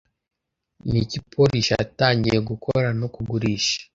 Niki polish yatangiye gukora no kugurisha